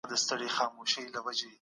ولي دقیق فکر کول مهم دي؟